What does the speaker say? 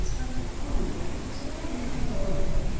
Butler Cornbury was a very pretty woman.